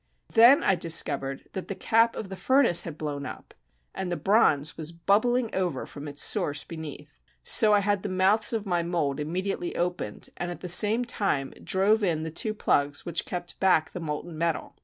Then I discovered that the cap of the furnace had blown up, and the bronze was bubbling over from its source beneath. So I had the mouths of my mold immediately opened, and at the same time drove in the two plugs which kept back the molten metal.